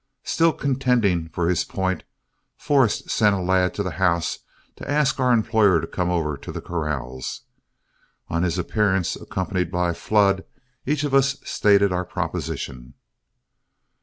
Still contending for his point, Forrest sent a lad to the house to ask our employer to come over to the corrals. On his appearance, accompanied by Flood, each of us stated our proposition.